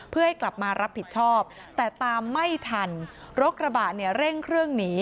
เพื่อให้กลับมารับผิดชอบแต่ตามไม่ทันรถกระบะเนี่ยเร่งเครื่องหนี